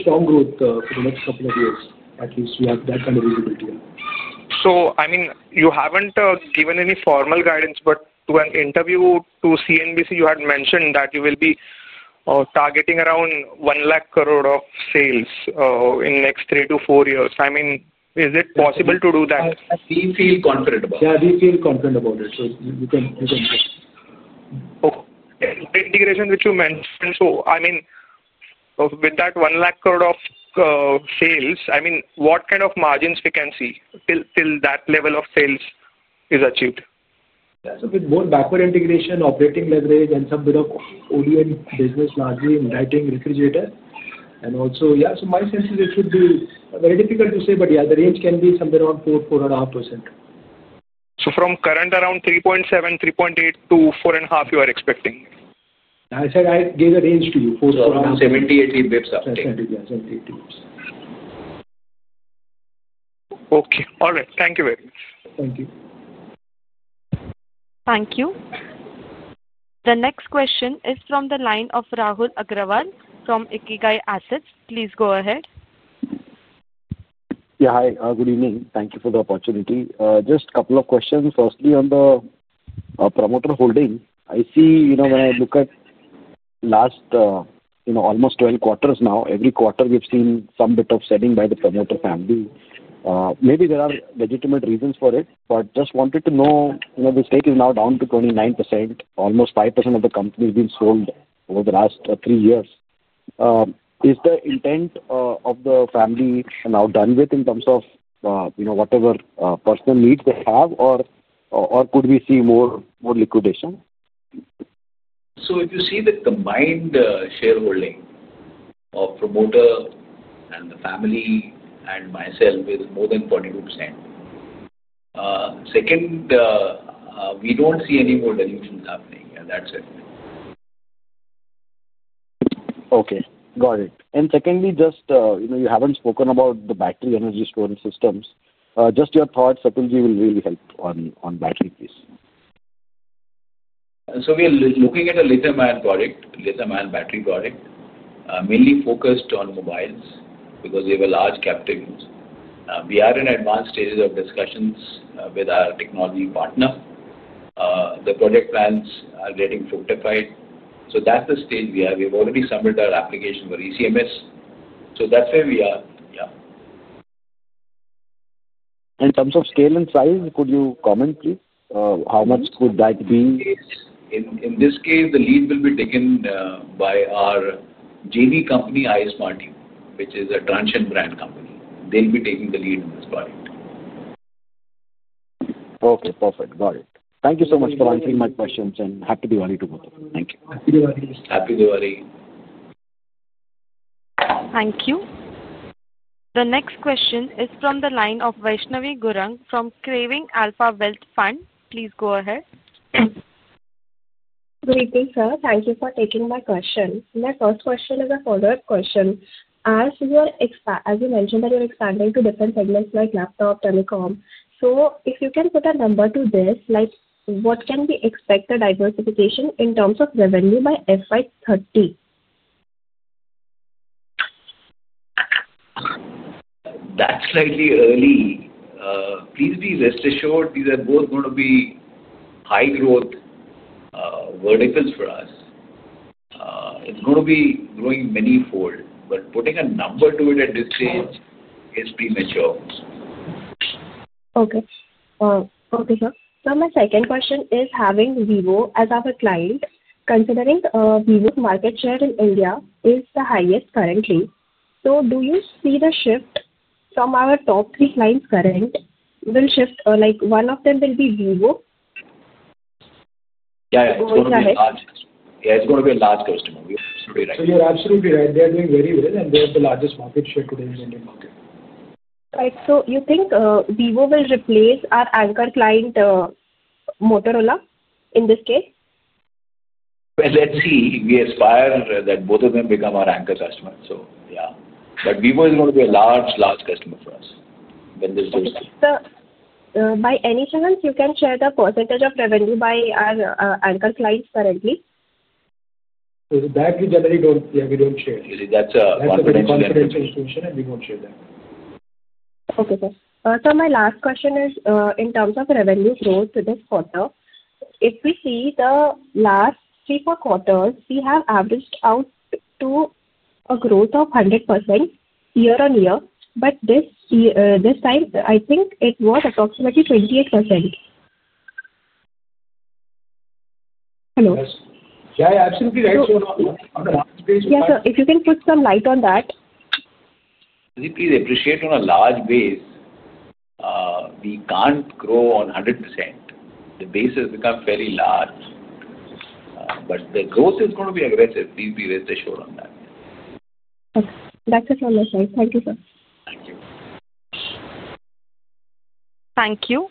strong growth for the next couple of years. At least we have that kind of visibility here. I mean, you haven't given any formal guidance, but to an interview to CNBC, you had mentioned that you will be targeting around 1 lakh crore of sales in the next three to four years. I mean, is it possible to do that? We feel confident about it. Yeah, we feel confident about it. You can say. Okay. The integration which you mentioned, with that 1 lakh crore of sales, what kind of margins can we see till that level of sales is achieved? Yeah. With more backward integration, operating leverage, and some bit of ODM business largely in lighting, refrigerator, my sense is it should be very difficult to say, but the range can be somewhere around 4%, 4.5%. From current around 3.7%, 3.8% to 4.5%, you are expecting? I said I gave a range to you, 4%, 4.5%. Yeah, 70, 80 bps up. Yeah, 70, 80 bps. Okay. All right. Thank you very much. Thank you. Thank you. The next question is from the line of Rahul Agarwal from Ikigai Assets. Please go ahead. Yeah. Hi. Good evening. Thank you for the opportunity. Just a couple of questions. Firstly, on the promoter holding, I see, you know, when I look at the last, you know, almost 12 quarters now, every quarter we've seen some bit of selling by the promoter family. Maybe there are legitimate reasons for it, but just wanted to know, you know, the stake is now down to 29%. Almost 5% of the company has been sold over the last three years. Is the intent of the family now done with in terms of, you know, whatever personal needs they have, or could we see more liquidation? If you see the combined shareholding of promoter and the family and myself, it is more than 42%. Second, we don't see any more dilutions happening at that segment. Okay. Got it. Secondly, you haven't spoken about the battery energy storage systems. Your thoughts, Atul Lall, will really help on battery, please. We are looking at a lithium-ion battery product, mainly focused on mobiles because we have a large captive. We are in advanced stages of discussions with our technology partner. The project plans are getting fortified. That's the stage we are. We've already submitted our application for ECMS. That's where we are. Yeah. In terms of scale and size, could you comment, please? How much could that be? In this case, the lead will be taken by our JV company, Longcheer, which is a Transsion brand company. They'll be taking the lead on this project. Okay. Perfect. Got it. Thank you so much for answering my questions, and happy Diwali to both of you. Thank you. Happy Diwali. Happy Diwali. Thank you. The next question is from the line of Vaishnavi Gurung from Craving Alpha Wealth Fund. Please go ahead. Great day, sir. Thank you for taking my question. My first question is a follow-up question. As you mentioned that you're expanding to different segments like laptop, telecom. If you can put a number to this, what can we expect a diversification in terms of revenue by FY 2030? That's slightly early. Please be rest assured these are both going to be high-growth verticals for us. It's going to be growing many-fold, but putting a number to it at this stage is premature. Okay. Okay, sir. My second question is having Vivo as our client. Considering VIvo's market share in India is the highest currently, do you see the shift from our top three clients will shift? Like one of them will be VIvo. Yeah, yeah. Go ahead. Yeah, it's going to be a large customer. You're absolutely right. You're absolutely right. They're doing very well, and they have the largest market share today in the Indian market. Right. Do you think VIvo will replace our anchor client, Motorola, in this case? We aspire that both of them become our anchor customers. Yeah, but VIvo is going to be a large, large customer for us when there's those two. By any chance, you can share the % of revenue by our anchor clients currently? We generally don't, yeah, we don't share. You see, that's confidential that's confidential information, and we don't share that. Okay, sir. My last question is in terms of revenue growth for this quarter. If we see the last three or four quarters, we have averaged out to a growth of 100% year on year. This time, I think it was approximately 28%. Hello? Yes, you're absolutely right. Yeah, sir, if you can put some light on that. We appreciate on a large base. We can't grow on 100%. The base has become fairly large, but the growth is going to be aggressive. Please be rest assured on that. Okay. That's it from my side. Thank you, sir. Thank you. Thank you.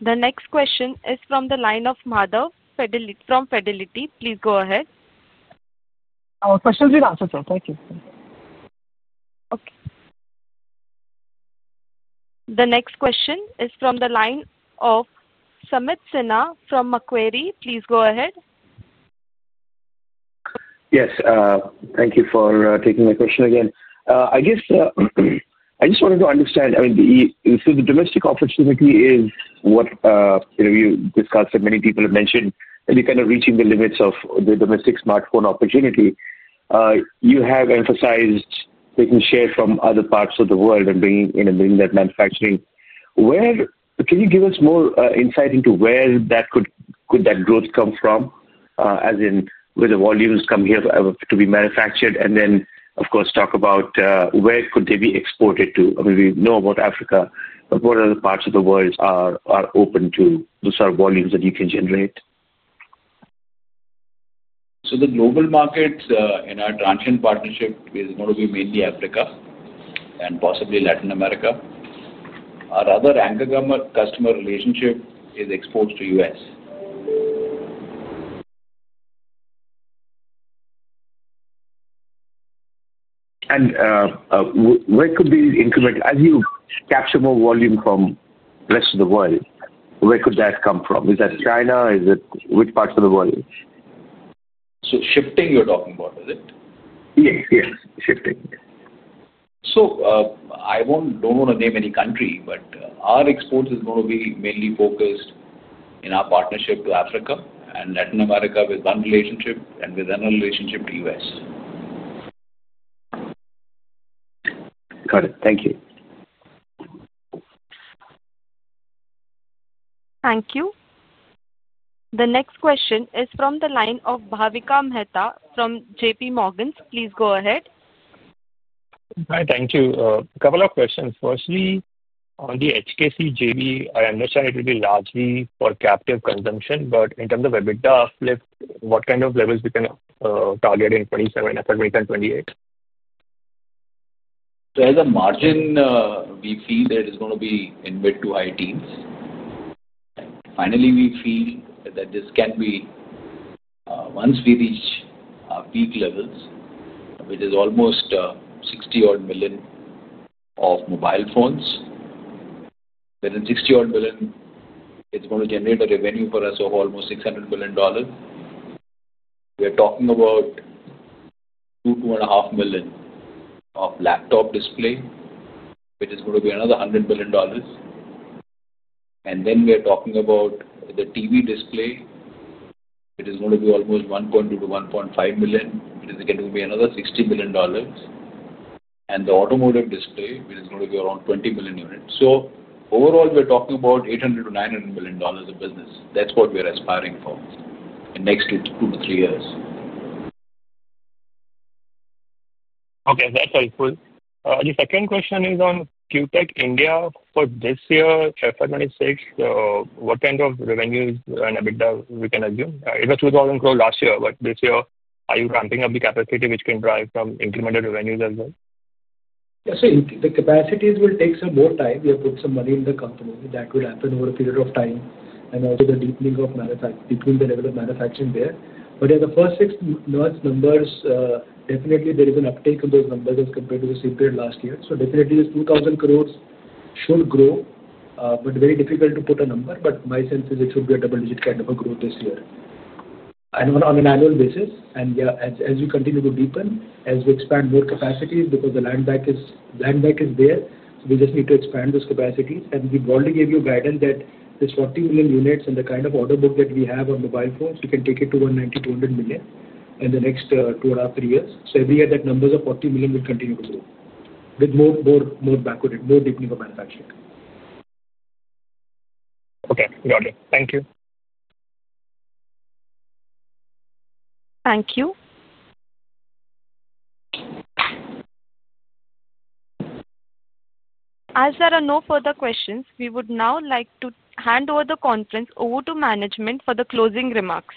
The next question is from the line of Madhav from Fidelity. Please go ahead. Our questions we've answered, sir. Thank you. Okay. The next question is from the line of Sumit Sinha from Macquarie. Please go ahead. Yes. Thank you for taking my question again. I guess I just wanted to understand, I mean, the domestic opportunity is what you discussed that many people have mentioned and you're kind of reaching the limits of the domestic smartphone opportunity. You have emphasized taking share from other parts of the world and bringing in and bringing that manufacturing. Where can you give us more insight into where that growth could come from, as in where the volumes come here to be manufactured? Of course, talk about where could they be exported to. I mean, we know about Africa, but what other parts of the world are open to the sort of volumes that you can generate? The global market in our Transsion partnership is going to be mainly Africa and possibly Latin America. Our other anchor customer relationship is exports to the U.S. Where could the increment be as you capture more volume from the rest of the world? Where could that come from? Is that China? Which parts of the world? You're talking about shifting, is it? Yes, yes, shifting. I don't want to name any country, but our exports are going to be mainly focused in our partnership to Africa and Latin America with one relationship and within our relationship to the U.S. Got it. Thank you. Thank you. The next question is from the line of Bhavik Mehta from JPMorgan. Please go ahead. Hi. Thank you. A couple of questions. Firstly, on the HKC JV, I understand it will be largely for captive consumption, but in terms of EBITDA flip, what kind of levels we can target in 2027 and 2028? There's a margin we feel that is going to be in mid to high teens. Finally, we feel that this can be once we reach peak levels, which is almost 60-odd million of mobile phones. Within 60-odd million, it's going to generate a revenue for us of almost $600 million. We are talking about 2, 2.5 million of laptop display, which is going to be another $100 million. We are talking about the TV display, which is going to be almost 1.2 million - 1.5 million, which is going to be another $60 million. The automotive display is going to be around 20 million units. Overall, we're talking about $800 million - $900 million of business. That's what we are aspiring for in the next two to three years. Okay. That's helpful. The second question is on Q-Tech India for this year, FY 2026. What kind of revenues and EBITDA can we assume? It was 2,000 crore last year. This year, are you ramping up the capacity, which can drive some incremental revenues as well? Yeah. The capacities will take some more time. We have put some money in the company. That will happen over a period of time, and also the deepening of the level of manufacturing there. The first six months' numbers, definitely, there is an uptake of those numbers as compared to the same period last year. This 2,000 crores should grow, but very difficult to put a number. My sense is it should be a double-digit kind of growth this year and on an annual basis. As we continue to deepen, as we expand more capacities because the landbank is there, we just need to expand those capacities. We broadly gave you guidance that this 40 million units and the kind of order book that we have on mobile phones, we can take it to 190, 200 million in the next two and a half, three years. Every year, that number of 40 million will continue to grow with more backorder, more deepening of manufacturing. Okay. Got it. Thank you. Thank you. As there are no further questions, we would now like to hand over the conference to management for the closing remarks.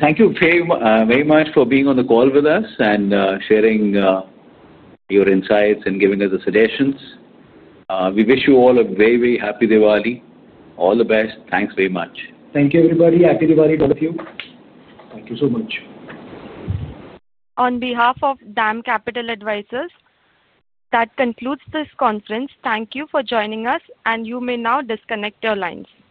Thank you very much for being on the call with us and sharing your insights and giving us the suggestions. We wish you all a very, very happy Diwali. All the best. Thanks very much. Thank you, everybody. Happy Diwali to both of you. Thank you so much. On behalf of Dam Capital Advisors, that concludes this conference. Thank you for joining us, and you may now disconnect your lines.